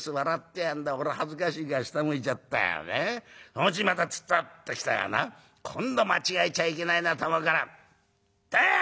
そのうちまたツツッと来たからな今度間違えちゃいけないなと思うから『音羽屋！』。